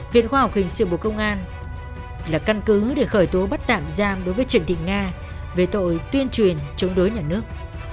viện khoa học hình sự bộ công an là căn cứ để khởi tố bắt tạm giam đối với trần thị nga về tội tuyên truyền chống đối nhà nước